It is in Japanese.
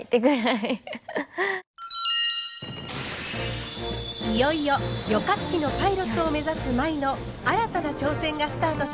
いよいよ旅客機のパイロットを目指す舞の新たな挑戦がスタートします。